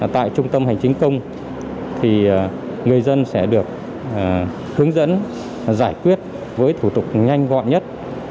tại trung tâm hành chính công thì người dân sẽ được hướng dẫn giải quyết với thủ tục nhanh gọn nhất